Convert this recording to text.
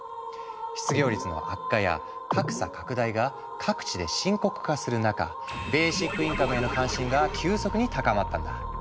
失業率の悪化や格差拡大が各地で深刻化する中ベーシックインカムへの関心が急速に高まったんだ。